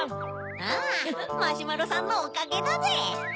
ああマシュマロさんのおかげだぜ。